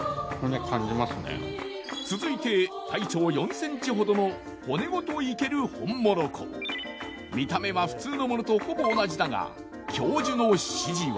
続いて体長４ｃｍほどの見た目は普通のものとほぼ同じだが教授の指示は。